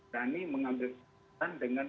berani mengambil kesempatan dengan